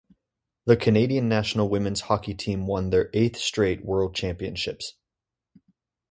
The Canadian national women's hockey team won their eighth straight World Championships.